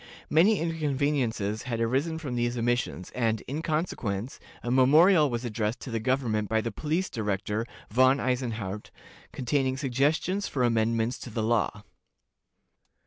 Many inconveniences had arisen from these omissions, and, in consequence, a memorial was addressed to the government by the police director, Von Eisenhardt, containing suggestions for amendments to the law.